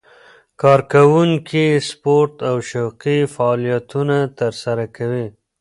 کارکوونکي سپورت او شوقي فعالیتونه ترسره کوي.